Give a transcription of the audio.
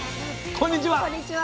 こんにちは。